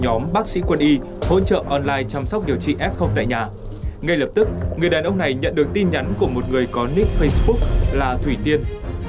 hỗ trợ online chăm sóc điều trị f tại nhà ngay lập tức người đàn ông này nhận được tin nhắn của một người có nick facebook là thủy tiên